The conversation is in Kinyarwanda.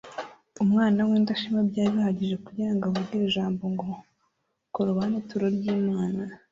Umwana w'indashima byari bihagije kugira ngo avuge iri jambo ngo : Korobani ituro ry'Imana,